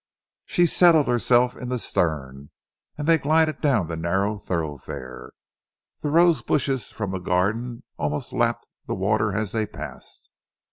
She settled herself in the stern and they glided down the narrow thoroughfare. The rose bushes from the garden almost lapped the water as they passed.